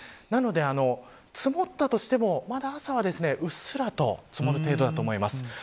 なので、積もったとしてもまだ朝はうっすらと積もる程度だと思います。